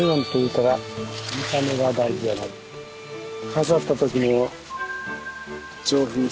飾った時の上品さ。